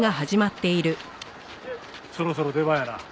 そろそろ出番やな。